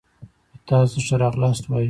و تاسو ته ښه راغلاست وایو.